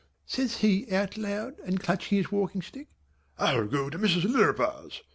says he out loud and clutching his walking stick, "I'll go to Mrs. Lirriper's.